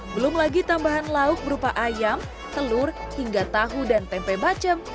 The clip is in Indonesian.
belum lagi tambahan lauk berupa ayam telur hingga tahu dan tempe bacem